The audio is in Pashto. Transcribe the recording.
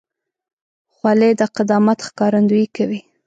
خولۍ د قدامت ښکارندویي کوي.